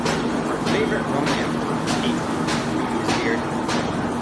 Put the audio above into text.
Her favorite Roman emperor is Hadrian due to his beard.